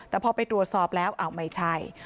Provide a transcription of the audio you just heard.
แต่พอไปตรวจสอบแล้วอ้าวไม่ใช่